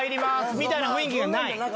みたいな雰囲気がない。